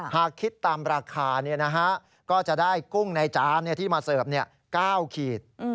หากคิดตามราคาก็จะได้กุ้งในจานที่มาเสิร์ฟ๙ขีด